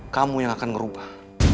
kamu yang akan ngerubah